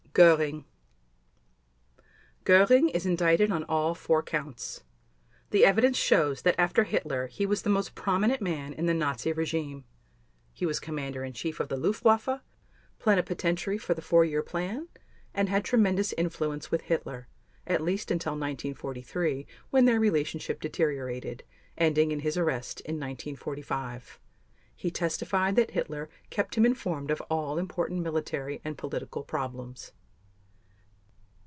GÖRING Göring is indicted on all four Counts. The evidence shows that after Hitler he was the most prominent man in the Nazi regime. He was Commander in Chief of the Luftwaffe, Plenipotentiary for the Four Year Plan, and had tremendous influence with Hitler, at least until 1943 when their relationship deteriorated, ending in his arrest in 1945. He testified that Hitler kept him informed of all important military and political problems.